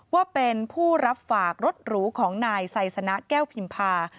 ว่าเป็นผู้รับฝากรถหรูของนายไซสนะแก้วพิมพา